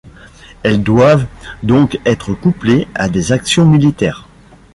Elles doivent donc être couplées à des actions militaires.